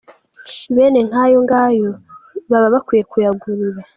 Bene nk’ayo ngayo yo baba bakwiye kuyagarura.